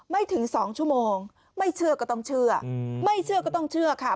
ไม่ถึงสองชั่วโมงไม่เชื่อก็ต้องเชื่อไม่เชื่อก็ต้องเชื่อค่ะ